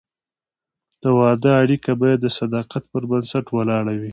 د واده اړیکه باید د صداقت پر بنسټ ولاړه وي.